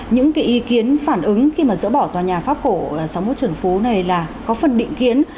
những ý kiến phản ứng khi mà dỡ bỏ tòa nhà pháp cổ sáu mươi một trần phú này là có phần định kiến